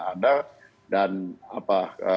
ada dan apa